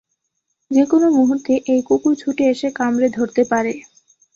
যে-কোনো মুহূর্তে এই কুকুর ছুটে এসে কামড়ে ধরতে পারে।